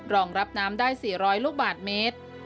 รองรับน้ำได้๔๐๐ลูกบาทเมตร